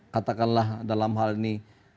katakanlah dalam hal ini